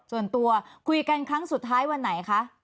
ส่วนตัวคุยกันครั้งสุดท้ายวันไหนคะ